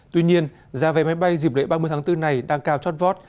tuy nhiên giá vé máy bay dịp lễ ba mươi tháng bốn này đang cao chót vót